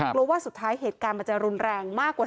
ว่าสุดท้ายเหตุการณ์มันจะรุนแรงมากกว่า